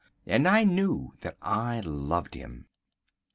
And I knew that I loved him.